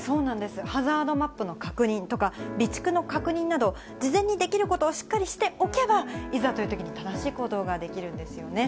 ハザードマップの確認とか、備蓄の確認など、事前にできることをしっかりしておけば、いざというときに正しい行動ができるんですよね。